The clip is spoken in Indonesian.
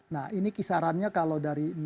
nah ini kisarannya kalau dari sampai tujuh juta